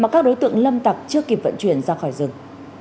chưa kịp vận chuyển ra khỏi rừng